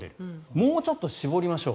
もうちょっと絞りましょう。